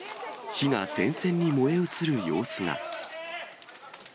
火が電線に燃え移る様子が。